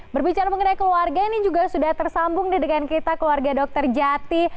berbicara mengenai keluarga ini juga sudah tersambung dengan kita keluarga dokter jati